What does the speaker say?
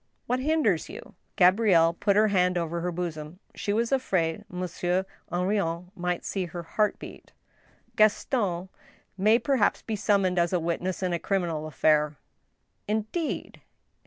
" What hinders you ?" Gabrielle put her hand over her bosom ; she was afraid Mon sieur Henrion might see her heart beat. Gaston may perhaps be summoned as a witness in a criminal affair." " Indeed